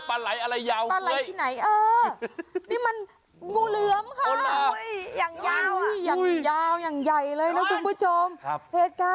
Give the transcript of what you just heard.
อ๋อปะไหล่แบบ